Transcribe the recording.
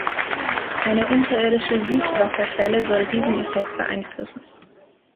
Eine unterirdische Süßwasserquelle soll diesen Effekt beeinflussen.